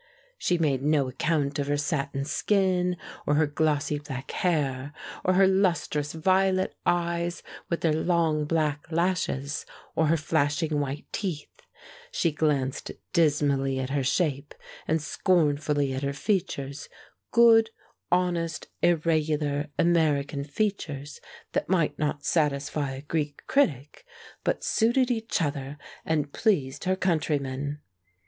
She made no account of her satin skin, or her glossy black hair, or her lustrous violet eyes with their long, black lashes, or her flashing white teeth; she glanced dismally at her shape and scornfully at her features, good, honest, irregular American features, that might not satisfy a Greek critic, but suited each other and pleased her countrymen.